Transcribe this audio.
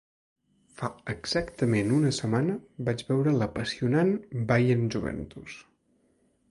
Fa exactament una setmana vaig veure l’apassionant Bayern–Juventus.